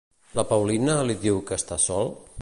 La Paulina li diu que està sol?